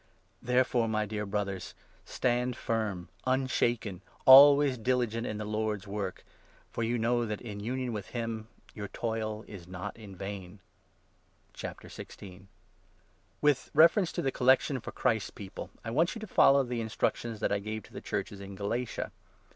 Therefore, 58 my dear Brothers, stand firm, unshaken, always diligent in the Lord's work, for you know that, in union with him, your toil is not in vain. V. — CONCLUSI ON. The With reference to the Collection for Christ's i collection People, I want you to follow the instructions that for the Poor j gave to the Churches in Galatia.